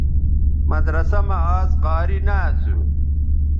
مدرسہ مہ آزقاری نہ اسُو